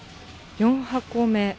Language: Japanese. ４箱目。